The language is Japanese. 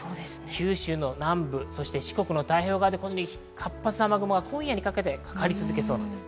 九州の南部、そして四国の太平洋側で活発な雨雲が今夜にかけてかかり続けそうです。